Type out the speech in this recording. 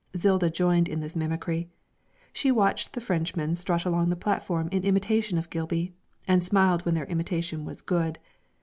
Zilda joined in this mimicry; she watched the Frenchmen strut along the platform in imitation of Gilby, and smiled when their imitation was good.